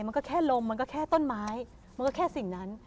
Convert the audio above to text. มันก็แค่ลมมันก็แค่ต้นไม้มันก็แค่สิ่งนั้น